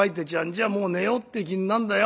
じゃあもう寝ようって気になんだよ。